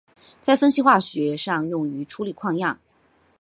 在分析化学上用于处理矿样。